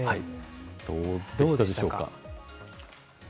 どうでしたでしょうか。